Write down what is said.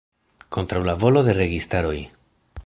Kontraŭ la volo de registaroj.